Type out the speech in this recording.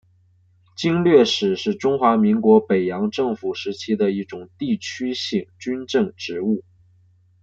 经略使是中华民国北洋政府时期的一种地区性军政职务。